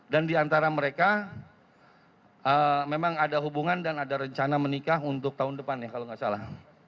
dan di antara mereka memang ada hubungan dan ada rencana menikah untuk tahun depan ya kalau tidak salah